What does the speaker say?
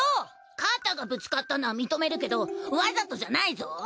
肩がぶつかったのは認めるけどわざとじゃないぞう！